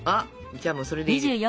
じゃあもうそれでいいです。